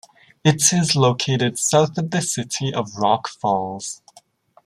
It is located south of the city of Rock Falls.